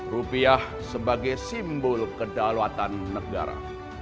rupiah sebagai simbol kedaulatan negara